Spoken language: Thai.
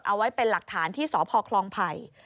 เอาไว้เป็นหลักฐานที่สพคลองไผ่